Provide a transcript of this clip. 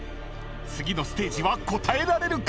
［次のステージは答えられるか⁉］